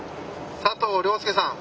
・佐藤亮介さん